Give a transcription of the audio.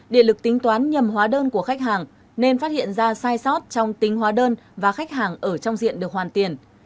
điện lực tính toán nhầm hóa đơn của khách hàng nên phát hiện ra sai sót trong tính hóa đơn và khách hàng ở trong diện được hoàn tiền